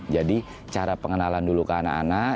jadi cara pengenalan dulu ke anak anak